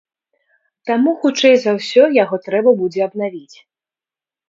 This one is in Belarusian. Таму хутчэй за ўсё яго трэба будзе абнавіць.